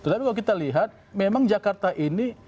tapi kalau kita lihat memang jakarta ini